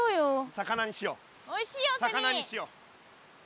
魚にしよう。